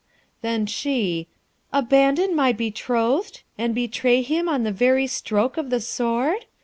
Then she, 'Abandon my betrothed? and betray him on the very stroke of the Sword?